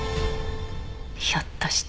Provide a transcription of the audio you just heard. ひょっとして。